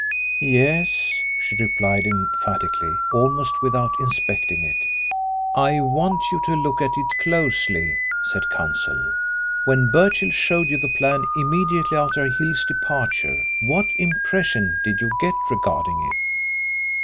"Yes," she replied emphatically, almost without inspecting it. "I want you to look at it closely," said Counsel. "When Birchill showed you the plan immediately after Hill's departure, what impression did you get regarding it?"